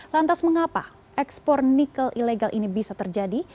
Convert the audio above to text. lantas mengapa ekspor nikel ilegal ini bisa terjadi